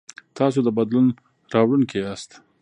تاسو د بدلون راوړونکي یاست.